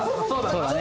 そうだね。